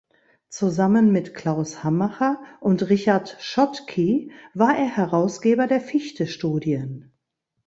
Zusammen mit Klaus Hammacher und Richard Schottky war er Herausgeber der Fichte-Studien.